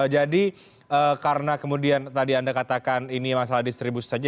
jadi karena kemudian tadi anda katakan ini masalah distribusi saja